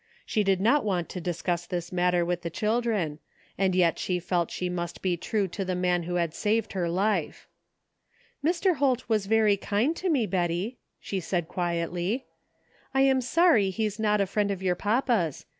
She did not want to discuss this matter with the children, and yet she felt that she must be true to the man who had saved her life. '* Mr. Holt was very kind to me, Betty," she said 155 THE FINDING OF JASPER HOLT quietly. " Fm sorry he is not a friend of your papa's.